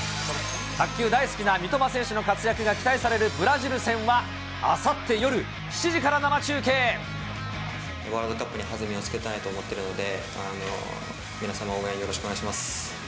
卓球大好きな三笘選手の活躍が期待されるブラジル戦はあさっワールドカップに弾みをつけたいと思っているので、皆様、応援よろしくお願いします。